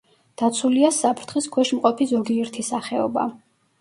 დაცულია საფრთხის ქვეშ მყოფი ზოგიერთი სახეობა.